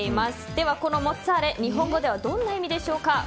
では、このモッツァーレ日本語ではどんな意味でしょうか。